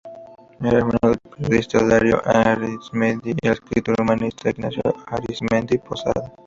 Era hermano del periodista Darío Arizmendi y del escritor y humanista Ignacio Arizmendi Posada.